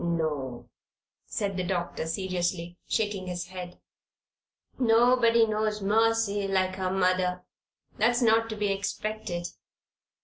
"No," said the doctor, seriously, shaking his head. "Nobody knows Mercy like her mother. That's not to be expected.